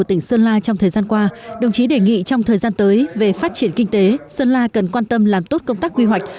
trong thời gian tới về phát triển kinh tế sơn la cần quan tâm làm tốt công tác quy hoạch